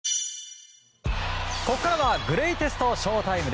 ここからはグレイテストＳＨＯ‐ＴＩＭＥ！